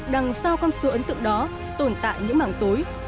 đằng sau con số ấn tượng đó tồn tại những mảng tối